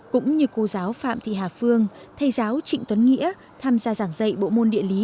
cũng như cô giáo phạm thị hà phương thầy giáo trịnh tuấn nghĩa tham gia giảng dạy bộ môn địa lý